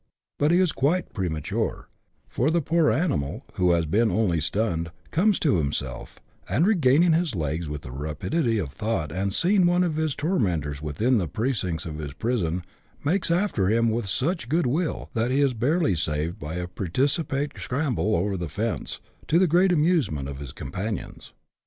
But he is quite premature, for the poor animal, who has been only stunned, comes to himself, and regaining his legs with the rapidity of thought, and seeing one of his tormentors witiiin the precincts of his prison, makes after him with such good will, that he is barely saved by a precipitate scramble over the fence, to the great amusement of his companions.